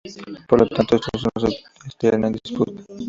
Por lo tanto, esto no es tierra en disputa.